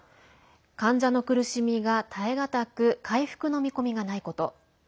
患者の苦しみが耐え難く回復の見込みがないこと。